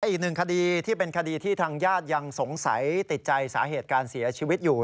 อีกหนึ่งคดีที่เป็นคดีที่ทางญาติยังสงสัยติดใจสาเหตุการเสียชีวิตอยู่